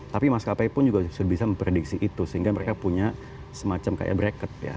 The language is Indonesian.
tapi maskapai pun juga sudah bisa memprediksi itu sehingga mereka punya semacam kayak bracket ya